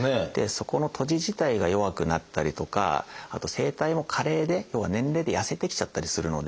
そこの閉じ自体が弱くなったりとかあと声帯も加齢で要は年齢でやせてきちゃったりするので。